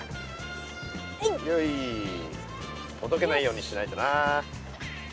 よいほどけないようにしないとな。